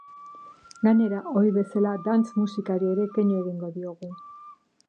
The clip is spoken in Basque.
Gainera, ohi bezala, dance musikari ere keinu egingo diogu.